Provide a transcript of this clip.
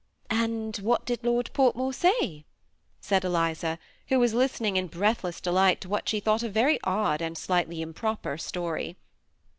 " And what did Lord Portmore say ?" said Eliza, who was listening in breathless delight to THE SEMI ATTACHED COUPLE. 99 what she thought a very odd and slightly improper story.